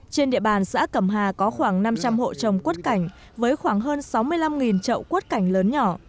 trên địa bàn xã cẩm hà có khoảng năm trăm linh hộ trồng quất cảnh với khoảng hơn sáu mươi năm trậu quất cảnh lớn nhỏ